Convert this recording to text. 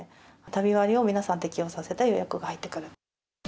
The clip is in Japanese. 旅割を皆さん、適用させて予約が入ってくる。